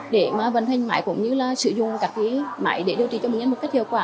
để vận hành máy cũng như là sử dụng các máy để điều trị cho bệnh nhân một cách hiệu quả